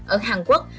ở hàn quốc